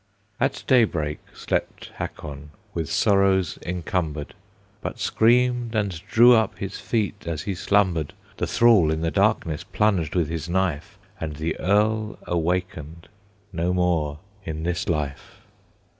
At daybreak slept Hakon, with sorrows encumbered, But screamed and drew up his feet as he slumbered; The thrall in the darkness plunged with his knife, And the Earl awakened no more in this life.